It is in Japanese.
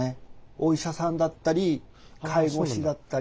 お医者さんだったり介護士だったり。